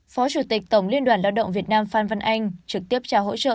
phó chủ tịch tổng liên đoàn lao động việt nam phan văn anh trực tiếp trao hỗ trợ